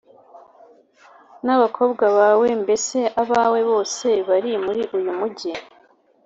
N abakobwa bawe mbese abawe bose bari muri uyu mugi